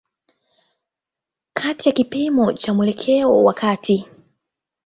Kati ni kipimo cha mwelekeo wa kati.